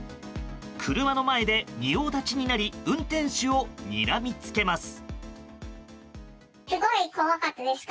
車の前で仁王立ちになり運転手をにらみつけます。